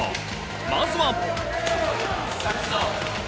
まずは。